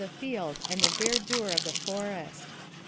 ie field and the verdure of the forest.